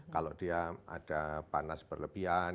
kalau dia ada panas berlebihan